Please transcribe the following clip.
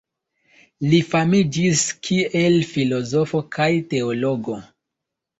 Li famiĝis kiel filozofo kaj teologo.